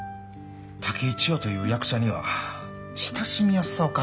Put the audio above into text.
竹井千代という役者には親しみやすさを感じた。